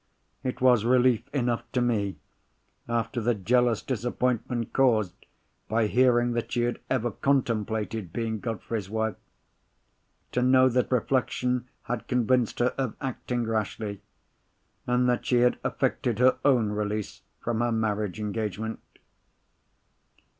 It was relief enough to me, after the jealous disappointment caused by hearing that she had ever contemplated being Godfrey's wife, to know that reflection had convinced her of acting rashly, and that she had effected her own release from her marriage engagement.